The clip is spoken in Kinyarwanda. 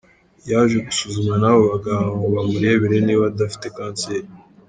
Yaje gusuzumwa n’abo baganga ngo bamurebere niba adafite Kanseri.